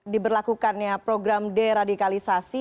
di berlakukannya program deradikalisasi